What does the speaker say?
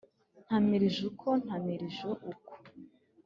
ntamilije uko ntamirije uku.